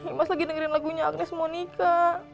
imas lagi dengerin lagunya agnez monica